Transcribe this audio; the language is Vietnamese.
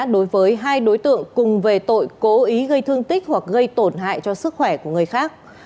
đối với hai đối tượng cùng về tội cố ý gây thương tích hoặc gây tổn hại cho sức khỏe của người khác